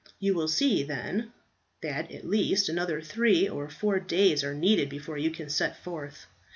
You will see, then, that at least another three or four days are needed before you can set forth.